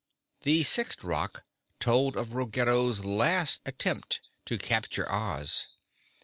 The sixth rock told of Ruggedo's last attempt to capture Oz.